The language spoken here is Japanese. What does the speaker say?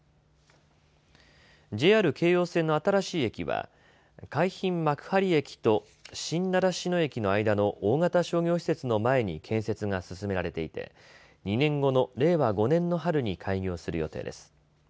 ＪＲ京葉線の新しい駅は海浜幕張駅と新習志野駅の間の大型商業施設の前に建設が進められていて２年後の令和５年の春に開業する予定です。